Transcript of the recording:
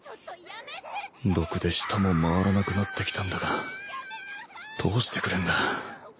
毒で舌も回らなくなってきたんだがどうしてくれんだ